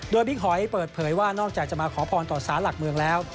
โดยบิ๊กหอยเปิดเผยว่านอกจากจะมาขอพรต่อสารหลักเมืองแล้ว